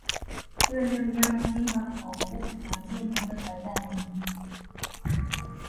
Huyo ndio mnyama Simba kwa ufupi kuanzia miaka kadhaa nyuma